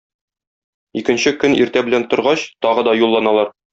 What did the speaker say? Икенче көн иртә белән торгач, тагы да юлланалар.